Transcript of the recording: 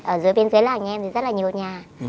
ở dưới bên dưới làng nhà em thì rất là nhiều nhà